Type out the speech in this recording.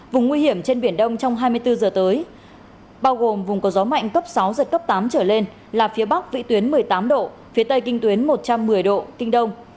vùng nguy hiểm trên biển đông trong hai mươi bốn giờ tới bao gồm vùng có gió mạnh cấp sáu giật cấp tám trở lên là phía bắc vị tuyến một mươi tám độ phía tây kinh tuyến một trăm một mươi độ kinh đông